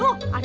uat apa itu